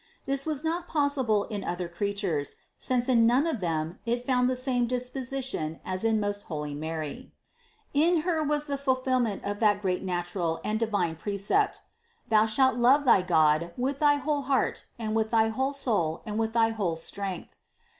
This was not pos sible in other creatures, since in none of them it found the same disposition as in most holy Mary. THE CONCEPTION 405 527. In Her was the fulfillment of that great natural and divine precept : "Thou shalt love thy God with thy whole heart, and with thy whole soul, and with thy whole strength."